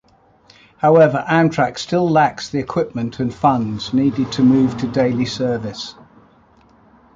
However, Amtrak still lacks the equipment and funds needed to move to daily service.